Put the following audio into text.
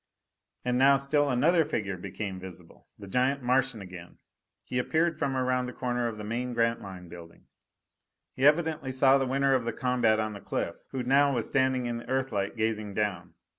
And now still another figure became visible the giant Martian again. He appeared from around the corner of the main Grantline building. He evidently saw the winner of the combat on the cliff, who now was standing in the Earthlight, gazing down.